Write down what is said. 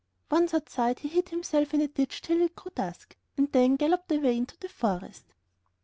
Once outside, he hid himself in a ditch till it grew dusk, and then galloped away into the forest.